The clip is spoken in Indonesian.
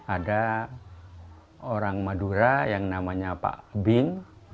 ada orang madura yang namanya pak bin